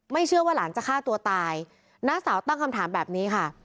เชื่อว่าหลานจะฆ่าตัวตายน้าสาวตั้งคำถามแบบนี้ค่ะ